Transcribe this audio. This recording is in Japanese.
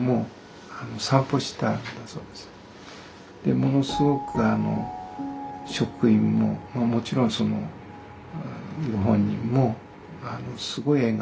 ものすごく職員ももちろんそのご本人もすごい笑顔で。